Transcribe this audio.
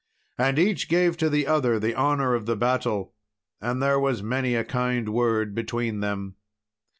And each gave to the other the honour of the battle, and there was many a kind word between them.